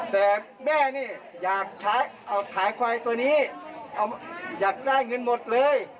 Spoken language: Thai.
แต่แม่นี่อยากขายควายตัวนี้อยากได้เงินหมดเลย